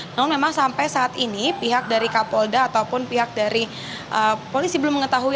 namun memang sampai saat ini pihak dari kapolda ataupun pihak dari polisi belum mengetahui